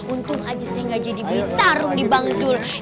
untung aja saya gak jadi beli sarung dibangun sekarang ya